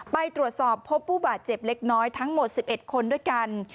ไปตรวจสอบพบผู้บาดเจ็บเล็กน้อยทั้งหมด๑๑คนด้วยกัน